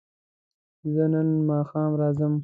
زه نن ماښام راځم